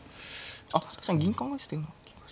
あっ確かに銀考えてたような気がします。